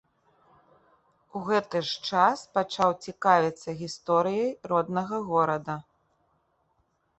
У гэты ж час пачаў цікавіцца гісторыяй роднага горада.